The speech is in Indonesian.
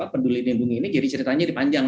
perduli lindungi ini jadi ceritanya dipanjang